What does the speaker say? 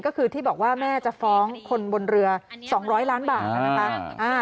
ก็คือที่บอกว่าแม่จะฟ้องคนบนเรือ๒๐๐ล้านบาทนะคะ